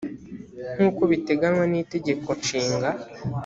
nk uko biteganywa n itegeko nshinga